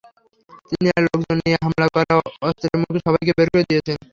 তিনি তাঁর লোকজন নিয়ে হামলা করে অস্ত্রের মুখে সবাইকে বের করে দিয়েছেন।